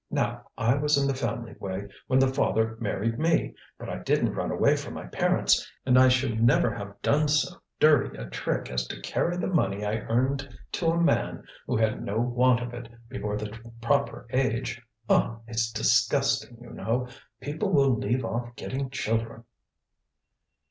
Now, I was in the family way when the father married me. But I didn't run away from my parents, and I should never have done so dirty a trick as to carry the money I earned to a man who had no want of it before the proper age. Ah! it's disgusting, you know. People will leave off getting children!"